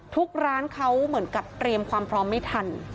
ทุกร้านเขาเหมือนกับเตรียมความพร้อมไม่ทัน